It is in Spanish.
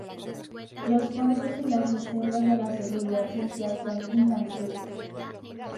Los fondos y las reservas de la seguridad social son intangibles.